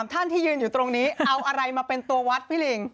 ท่านที่ยืนอยู่ตรงนี้เอาอะไรมาเป็นตัววัดพี่ลิง